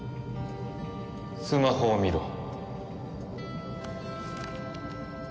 スマホを見ろ。